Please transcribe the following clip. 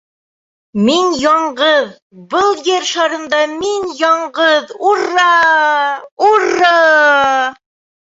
Мин яңғыҙ, был Ер шарында мин яңғыҙ, ур-ра, ур-ра!